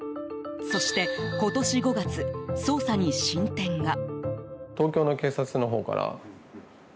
そして今年５月、捜査に進展が。